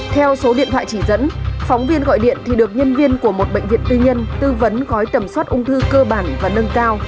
theo số điện thoại chỉ dẫn phóng viên gọi điện thì được nhân viên của một bệnh viện tư nhân tư vấn gói tầm soát ung thư cơ bản và nâng cao